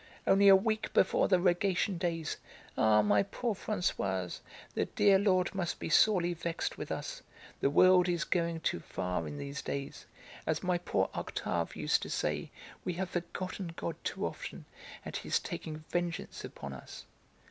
Only a week before the Rogation days. Ah, my poor Françoise, the dear Lord must be sorely vexed with us. The world is going too far in these days. As my poor Octave used to say, we have forgotten God too often, and He is taking vengeance upon us."